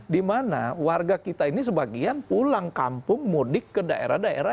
dimana warga kita ini sebagian pulang kampung mudik ke daerah daerah